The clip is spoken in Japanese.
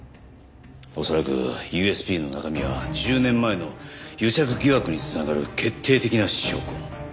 恐らくＵＳＢの中身は１０年前の癒着疑惑に繋がる決定的な証拠。